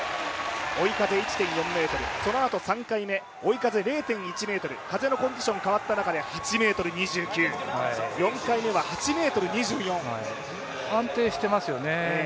追い風１．４ｍ、そのあと３回目、追い風０．１メートル風のコンディション変わったあとで８ｍ２９、４回目は安定してますよね。